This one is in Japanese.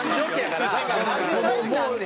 なんで社員になんねん！